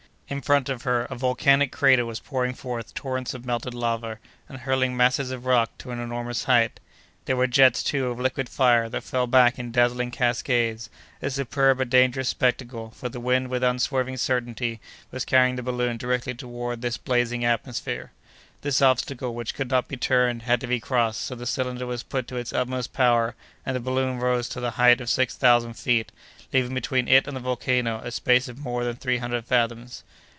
In front of her a volcanic crater was pouring forth torrents of melted lava, and hurling masses of rock to an enormous height. There were jets, too, of liquid fire that fell back in dazzling cascades—a superb but dangerous spectacle, for the wind with unswerving certainty was carrying the balloon directly toward this blazing atmosphere. This obstacle, which could not be turned, had to be crossed, so the cylinder was put to its utmost power, and the balloon rose to the height of six thousand feet, leaving between it and the volcano a space of more than three hundred fathoms.